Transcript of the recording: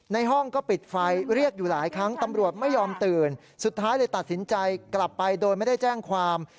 ในห้องก็ปิดไฟเรียกอยู่หลายครั้งตำรวจไม่ยอมตื่นสุดท้ายเลยตัดสินใจกลับไปโดยไม่ได้แจ้งความ